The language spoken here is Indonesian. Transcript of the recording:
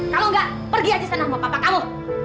kalau enggak pergi aja sana sama papa kamu